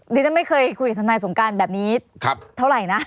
ดิฉันไม่เคยคุยกับทนายสงการแบบนี้เท่าไหร่นะ